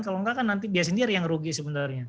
kalau enggak kan nanti dia sendiri yang rugi sebenarnya